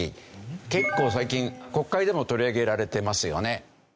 結構最近国会でも取り上げられてますよね。